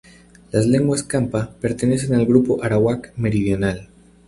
Las lenguas campa pertenecen al grupo arawak meridional.